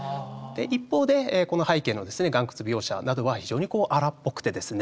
一方でこの背景の岩窟描写などは非常にこう荒っぽくてですね